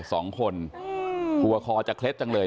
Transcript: สองคนกลัวคอจะเคล็ดจังเลย